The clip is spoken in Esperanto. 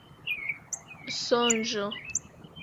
sonĝo